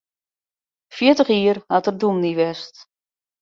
Fjirtich jier hat er dûmny west.